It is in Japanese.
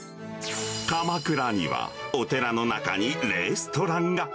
鎌倉にはお寺の中にレストランが。